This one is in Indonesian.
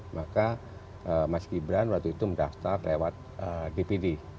maka mas gibran waktu itu mendaftar lewat dpd